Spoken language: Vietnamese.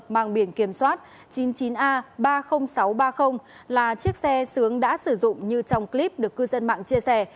mang biển kiểm soát chín mươi chín a ba mươi nghìn sáu trăm ba mươi là chiếc xe sướng đã sử dụng như trong clip được cư dân mạng chia sẻ